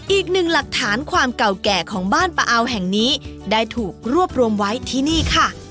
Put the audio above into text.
อีกหนึ่งหลักฐานความเก่าแก่ของบ้านปะอาวแห่งนี้ได้ถูกรวบรวมไว้ที่นี่ค่ะ